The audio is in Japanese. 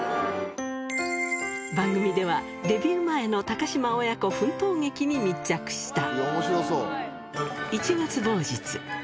番組では、デビュー前の高嶋親子奮闘劇に密着した。